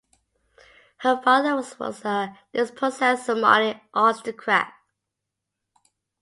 Her father was a dispossessed Somali aristocrat.